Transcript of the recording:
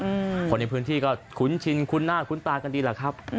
คนในพื้นที่ก็คุ้นชินคุ้นหน้าคุ้นตากันดีแหละครับ